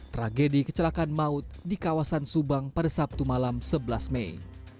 tragedi kecelakaan maut di kawasan subang pada sabtu malam sebelas mei